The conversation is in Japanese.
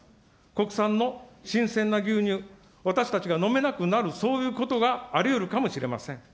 国産の新鮮な牛乳、私たちが飲めなくなる、そういうことがありうるかもしれません。